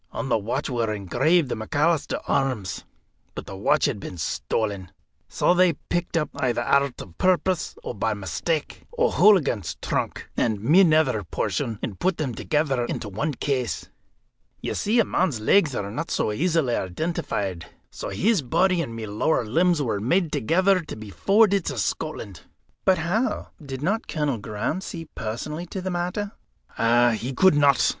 On the watch were engraved the McAlister arms. But the watch had been stolen. So they picked up either out of purpose, or by mistake O'Hooligan's trunk, and my nether portion, and put them together into one case. You see, a man's legs are not so easily identified. So his body and my lower limbs were made ready together to be forwarded to Scotland." "But how did not Colonel Graham see personally to the matter?" "He could not.